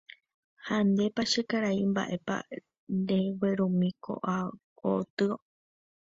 ha ndépa che karai mba'épa ndeguerumi ko'ágotyo.